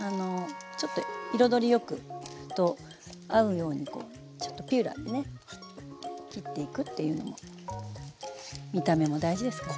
ちょっと彩りよくと合うようにちょっとピューラーでね切っていくっていうのも見た目も大事ですからね。